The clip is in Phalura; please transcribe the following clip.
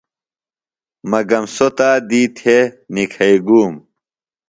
مگم سوۡ تادیۡ تھےۡ نِکھئیۡ گُوۡم۔